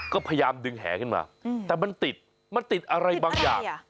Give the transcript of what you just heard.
ก็พยายามดึงแหขึ้นมาแต่มันติดมันติดอะไรบางอย่าง